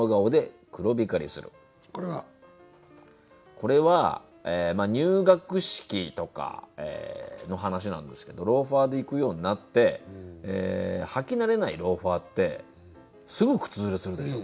これは入学式とかの話なんですけどローファーで行くようになって履き慣れないローファーってすぐ靴ずれするでしょ。